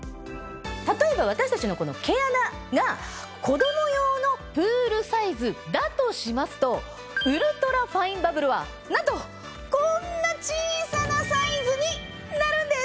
例えば私たちの毛穴が子ども用のプールサイズだとしますとウルトラファインバブルはなんとこんな小さなサイズになるんです！